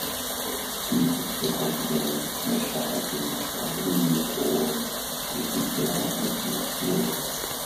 D tidet, ixuṣ gar-aneɣ, maca akken neqqar, win uɣur i d-teggra ad tt-yessiweḍ.